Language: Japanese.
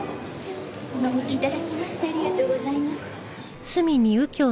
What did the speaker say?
お招き頂きましてありがとうございます。